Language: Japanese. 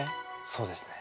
そうですね。